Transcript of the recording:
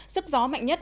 sức gió mạnh nhất